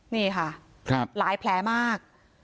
นี่ค่ะหลายแผลมาก